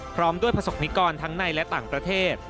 พร้อมด้วยประสบนิกรทั้งในและต่างประเทศ